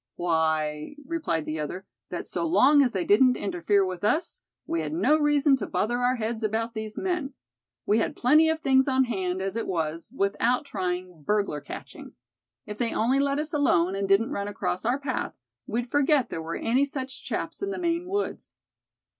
"Why," replied the other, "that so long as they didn't interfere with us, we had no reason to bother our heads about these men. We had plenty of things on hand, as it was, without trying burglar catching. If they only let us alone, and didn't run across our path, we'd forget there were any such chaps in the Maine woods."